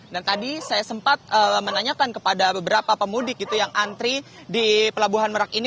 dan tadi saya sempat menanyakan kepada beberapa pemudik yang antri di pelabuhan merak ini